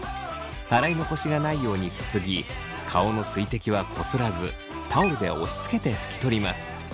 洗い残しがないようにすすぎ顔の水滴はこすらずタオルで押しつけて拭き取ります。